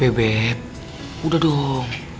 bebe udah dong